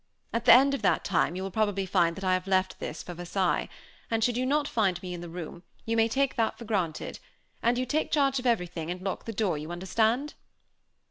At the end of that time you will probably find that I have left this for Versailles; and should you not find me in the room, you may take that for granted; and you take charge of everything, and lock the door, you understand?"